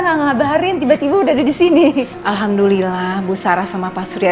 nggak ngabarin tiba tiba udah ada di sini alhamdulillah bu sarah sama pak surya